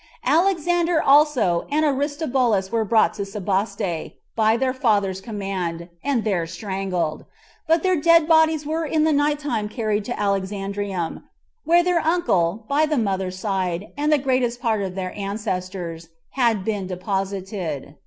Alexander also and Aristobulus were brought to Sebaste, by their father's command, and there strangled; but their dead bodies were in the night time carried to Alexandrium, where their uncle by the mother's side, and the greatest part of their ancestors, had been deposited.